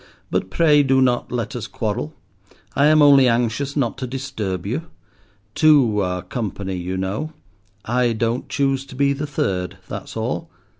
"But pray do not let us quarrel. I am only anxious not to disturb you. Two are company, you know. I don't choose to be the third, that's all."